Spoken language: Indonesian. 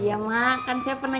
iya emak kan siap siap aja emak